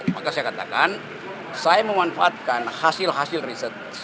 maka saya katakan saya memanfaatkan hasil hasil riset